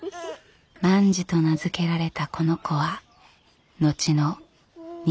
万寿と名付けられたこの子は後の二代将軍頼家。